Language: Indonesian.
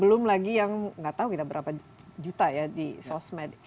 belum lagi yang nggak tahu kita berapa juta ya di sosmed